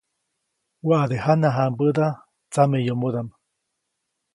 Waʼade jana jãmbäda tsameyomodaʼm.